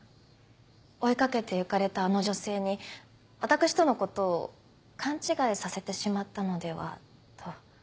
追い掛けて行かれたあの女性に私とのことを勘違いさせてしまったのではと。